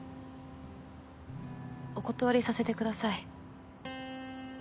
お断りさせてください。